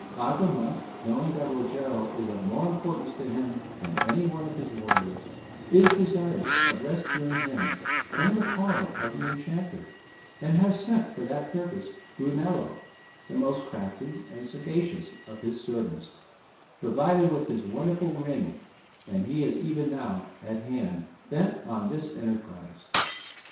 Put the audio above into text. Agramant, knowing that Rogero is of more importance to him than any one of his warriors, is desirous of rescuing him from the power of the enchanter, and has sent for that purpose Brunello, the most crafty and sagacious of his servants, provided with his wonderful ring, and he is even now at hand, bent on this enterprise.